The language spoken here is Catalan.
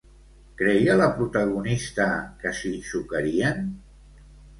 Creia la protagonista que s'hi xocarien?